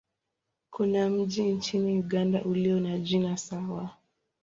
Kuna mji nchini Uganda ulio na jina sawa.